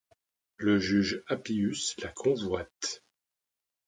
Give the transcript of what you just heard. Le juge Apius la convoite.